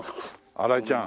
新井ちゃん。